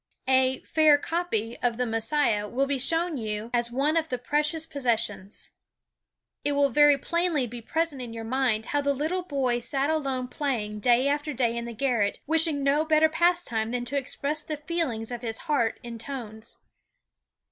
A "fair copy" of the "Messiah" will be shown you as one of the precious possessions. It will very plainly be present in your mind how the little boy sat alone playing day after day in the garret, wishing no better pastime than to express the feelings of his heart in tones.